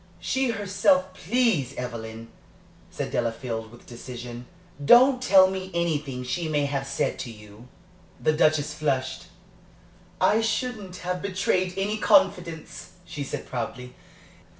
She herself " "Please, Evelyn," said Delafield, with decision, "don't tell me anything she may have said to you." The Duchess flushed. "I shouldn't have betrayed any confidence," she said, proudly.